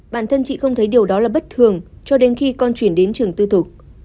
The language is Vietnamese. bản thân chị không thấy điều đó là bất thường cho đến khi con chuyển đến trường tư thục